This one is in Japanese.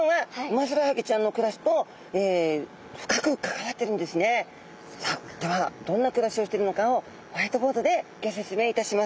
さあではどんなくらしをしてるのかをホワイトボートでギョせつめいいたします。